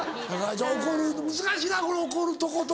怒るいうの難しいなこれ怒るとこと。